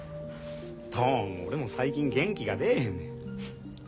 どうも俺も最近元気が出えへんねん。